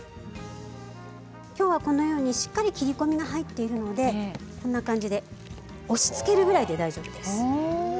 きょうはこのようにしっかり切り込みが入っているのでこんな感じで押しつけるぐらいで大丈夫です。